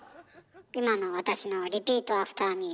今の私のをリピートアフターミー。